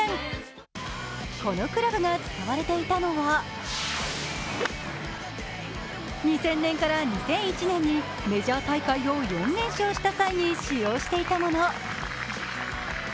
このクラブが使われていたのは２０００年から２００１年にメジャー大会を４連勝した際に使用していたもの。